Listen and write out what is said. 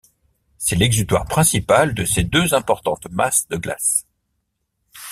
C’est l’exutoire principal de ces deux importantes masses de glace.